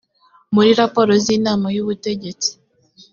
muri raporo z’inama y’ubutegetsi